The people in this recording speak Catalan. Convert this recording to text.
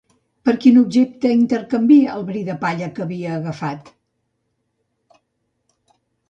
Per quin objecte intercanvia el bri de palla que havia agafat?